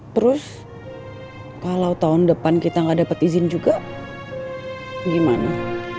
terus kalau tahun depan kita nggak dapat izin juga gimana